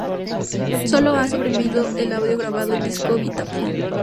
Sólo ha sobrevivido el audio grabado en discos Vitaphone.